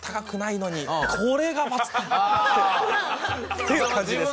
っていう感じです。